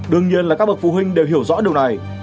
đương nhiên là các bậc phụ huynh đều hiểu rõ điều này